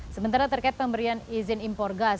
sementara terkait pemberian izin impor gas